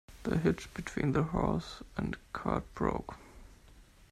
The hitch between the horse and cart broke.